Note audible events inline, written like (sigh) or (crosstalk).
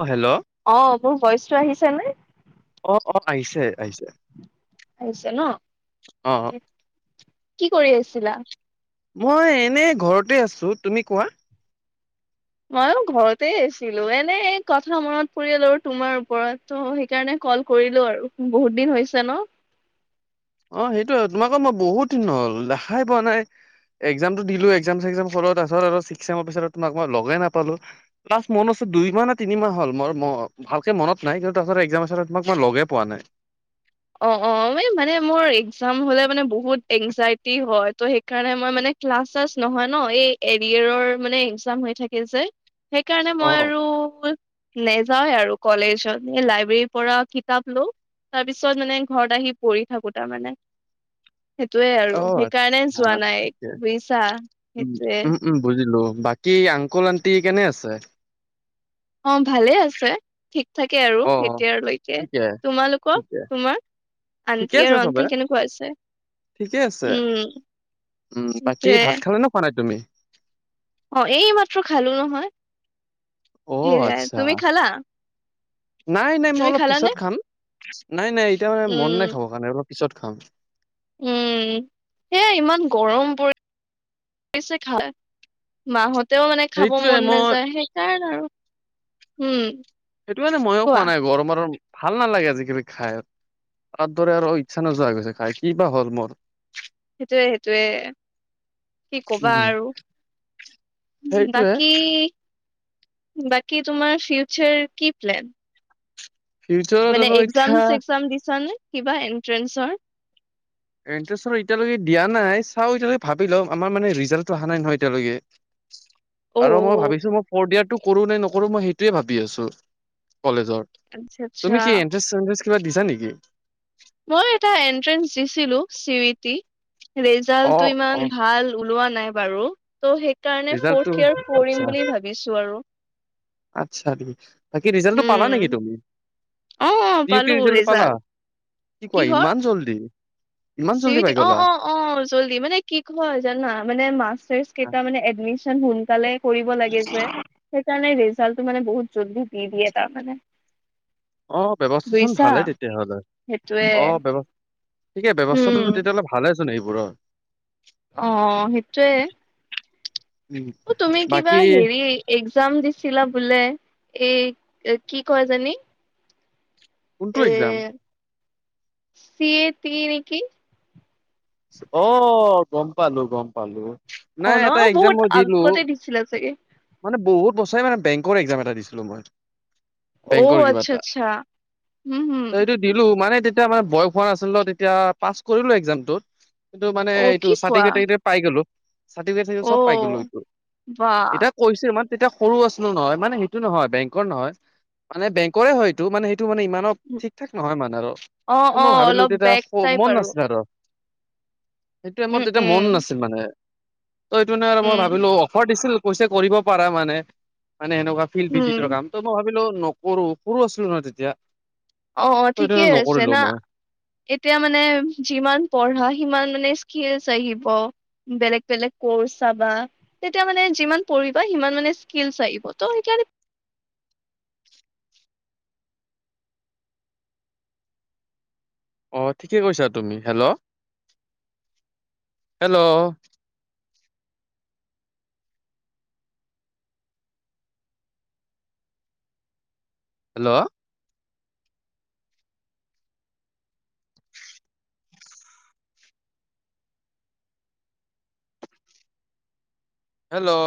অঁ' হেল্ল'। অঁ' মোৰ ভইচটো আহিছে নে? অলপ অলপ আহিছে, আহিছে। আহিছে ন' অ কি কৰি আছিলা? মই এনেই ঘৰতে আছোঁ। তুমি কোৱা? মইও ঘৰতে আছিলো, এনেই এই কথা মনত পৰিল আৰু তোমাৰ ওপৰত। ত' সেইকাৰণে কল কৰিলো আৰু বহুত দিন হৈছে ন'। অঁ' সেইটোৱে, তোমাকো মই বহুত দিন হ'ল দেখাই পোৱা নাই। একজামটো দিলো, একজাম ছেকজাম হলত তাৰপিছত আৰু ছিক্স ছেমৰ পিছত তোমাক মই লগে নাপালোঁ। লাষ্ট মনত আছে দুই মাহ নে তিনি মাহ হ'ল, মই ভালকে মনত নাই, কিন্ত তাৰ পাছত এক্সমৰ পিছত আৰু তোমাক মই লগে পোৱা নাই। অ', অ', এই মানে মোৰ একজাম হ'লে মানে বহুত এনজাইটি হয়। ত' সেই কাৰণে মই মানে, ক্লাছ শ্লাছ নহয় ন', এ এদিয়েৰৰ মানে, একজাম হৈ থাকে যে। সেইকাৰণে অ মই আৰু নেযাওঁয়ে আৰু কলেজত এ লাইব্ৰেৰীৰ পৰা কিতাপ লওঁ। তাৰ পিছত মানে, ঘৰত আহি পঢ়ি থাকো তাৰ মানে। সেইটোৱে অ আৰু, সেইকাৰণে যোৱা আচ্ছা নাই ঠিকে বুজিছা, উম সেইটোৱে। উম উম, বুজিলো বাকী, আংকুল আনটি কেনে আছে? অঁ ভালে আছে। ঠিক থাকে আৰু অ এতিয়ালৈকে। ঠিকে তোমালোকৰ, ঠিকে তোমাৰ? ঠিকে আনটি আছে আৰু চবে অংকাল, কেনেকুৱা আছে? ঠিকে আছে উম। উম, বাকী সেইটোয়ে ভাত খালে না, খোৱা নাই তুমি? অঁ এই মাত্ৰ খালো নহয়, অ', হেৰি আ আচ্ছা তুমি খালা? নাই নাই, মই তুমি অলপ খালানে পিছত খাম। নাই নাই, এতিয়া মানে মন নাই উম খাব কাৰণে, অলপ পিছত খাম। উম, সেইয়া ইমান গৰম পৰিছে খালে মাহতেও মানে খাব সেইটোয়ে মন মই নাযায়, সেইকাৰণ আৰু, হম। সেইটো কাৰানে ময়ো খোৱা নাই। গৰম আৰু, ভাল নালাগে আজিকালি খায়। আগাৰ দৰে আৰু, ইচ্ছা নোযোৱা হৈ গৈছে খায়, কি বা হ'ল। সেইটোৱে সেইটোৱে, কি কবা উম, আৰু। সেইটোয়ে বাকী, বাকী তোমাৰ ফিউচাৰ কি প্লেন? ফিউচাৰত মানে আৰু একজাম এতিয়া চেগজাম দিছা নে কিবা এনট্ৰেন্ঞ্চৰ? এণ্ট্ৰেঞ্চটো এতিয়ালৈকে দিয়া নাই, চাওঁ এতিয়ালকে ভাবি লম, আমাৰ মানে ৰিজাল্টটো অহা নাই নহয় এতিয়ালৈকে। (inaudible) আৰু মই অ' ভাবিছো মই ফৰ্ড ইয়াৰটো কৰো নে নকৰো, মই সেইটোৱেই ভাবি আছো কলেজৰ। আচ্ছা আচ্ছা। তুমি কি এণ্ট্ৰেঞ্চ চেণ্ট্ৰেঞ্চ কিবা দিছা নেকি? মই এটা এন্ট্ৰেঞ্চ দিছিলো চি ইউ ই টি, অ', ৰিজাল্টটো ইমান অ', ভাল উলোৱা নাই বাৰু, ত সেইকাৰণে ৰিজাল্টটো ফৌৰ্থ ইয়াৰ আচ্ছা। কৰিম বুলি ভাবিছো আৰু। আচ্ছা। বাকী ৰিজাল্টটো পালা উম, নেকি তুমি? অ' অ' চি ইউ ই পালো টিৰ ৰিজাল্টটো পালা? ৰিজাল্ট। কি কোৱা, কিহৰ? ইমান জল্দি! ইমান চি জল্দি ইউ ই টি, পাই অঁ গ'লা অঁ অঁ জল্দি মানে কি হ'ল জানা মানে মাষ্টাৰ্ছ কে তা মানে এডমিচন সোনকালে কৰিব লাগে যে। সেইকাৰণে ৰিজাল্টটো মানে বহুত জল্দি দি দিয়ে তাৰ মানে। অঁ ব্যৱস্থা চোন ভালেই তেতিয়া হ'লে, সেইটোৱে অ ব্যৱ ঠিকেই ব্যৱস্থাটো উম, তেতিয়া হলে ভালে চোন এইবোৰৰ। অঁ অঁ অঁ সেইটোৱে। উম অঁ তুমি কিবা বাকী হেৰি একজাম দিছিলা বোলে? এই কি কয় এইজনি কোনটো একজাম? চি এ পি নেকি? অ, গম পালো গম পালো। অ নাই ন এটা একজাম বহুত মই দিলো। আগতে দিছিলা চাগে মানে বহুত বছৰে মানে বেংকৰ একজাম এটা দিছিলো মই। অ বেংকৰ কিবা আচ্ছা এটা, আচ্ছা উম হম এইটো দিলো, মানে তেতিয়া মানে বয়স হোৱা নাছিলে ন, তেতিয়া পাছ কৰিলো একজামটোত। কিন্তু মানে অ এইটো কি কোৱা চাৰ্টিফিকেটো পাই গ'লো চাৰ্টিফিকেট অ চব পাই গলো এইটো, বা এতিয়া কৰিছিলো মান তেতিয়া সৰু আছিলো নহয়, মানে সেইটো নহয় বেংকৰ নহয়। বেংকৰে হয় মানে সেইটো ইমানো ঠিক থাক নহয় মানে আৰু অ অ মই ভাবিলো অলপ তেতিয়া বেক টাইপ মন নাছিল আৰু। সেইটোৱে উম মোৰ তেতিয়া মন উম নাছিল মানে ত সেইটো মানে মই উম ভাবিলো ফৰ দিছিল কৈছে কৰিব পাৰা মানে মানে সেনেকুৱা ফিল্ড উম ভিজিটৰ কাম। ত মই ভাবিলো নকৰো সৰু আছিলো ন তেতিয়া। অ অ ত সেইটো ঠিকে আছে নকৰিলো না। মই এতিয়া মানে যিমান পঢ়া সিমান মানে স্কিলচ আহিব। বেলেগ বেলেগ ক'ৰ্চ চাবা। তেতিয়া মানে যিমান পঢ়িবা সিমান মানে স্কিল আহিব ত সেইকাৰণে। অ ঠিকে কৈছা তুমি। Hello hello! হেল্ল'! হেল্ল'!